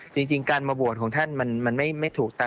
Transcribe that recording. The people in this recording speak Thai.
จริงการมาบวชของท่านมันไม่ถูกตาม